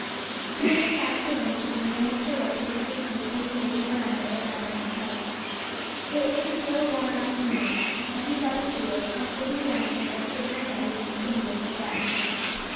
They went back to luncheon, and then Mr. Russell took his seat in the shady verandah that ran round the house. It was a still, warm afternoon. Betty got a stool, and sitting down on it rested her head against the knee of her friend.